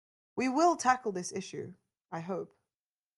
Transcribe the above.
We will tackle this issue, I hope.